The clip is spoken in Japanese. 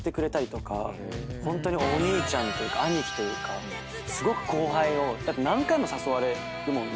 ホントにお兄ちゃんというか兄貴というかすごく後輩をだって何回も誘われるもんね。